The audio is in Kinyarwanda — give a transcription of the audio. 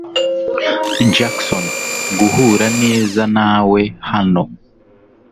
Jackson, guhura neza nawe hano.